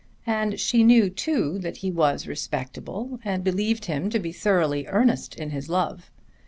And she knew too that he was respectable, and believed him to be thoroughly earnest in his love.